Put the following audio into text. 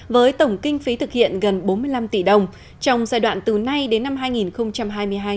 với tổng kinh phí thực hiện gần bốn mươi năm tỷ đồng trong giai đoạn từ nay đến năm hai nghìn hai mươi hai